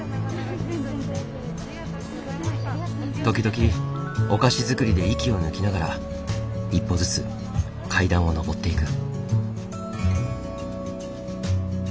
時々お菓子作りで息を抜きながら一歩ずつ階段を上っていく。